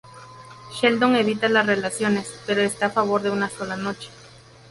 Sheldon evita las relaciones, pero está a favor de una sola noche.